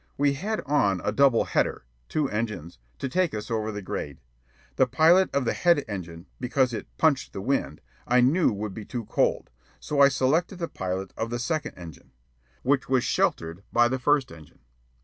We had on a "double header" (two engines) to take us over the grade. The pilot of the head engine, because it "punched the wind," I knew would be too cold; so I selected the pilot of the second engine, which was sheltered by the first engine.